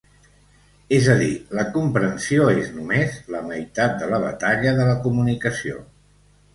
És a dir, la comprensió és només la meitat de la batalla de la comunicació.